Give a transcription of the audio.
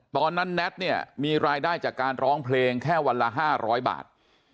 แน็ตเนี่ยมีรายได้จากการร้องเพลงแค่วันละ๕๐๐บาท